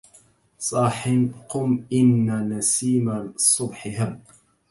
صاح قم إن نسيم الصبح هب